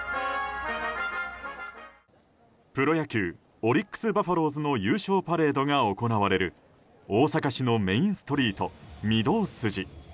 プロ野球オリックス・バファローズの優勝パレードが行われる大阪市のメインストリート御堂筋。